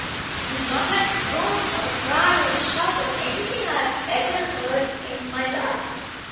—it was not like a groan, or a cry, or a shout, or anything I ever heard in my life.